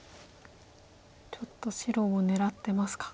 ちょっと白を狙ってますか。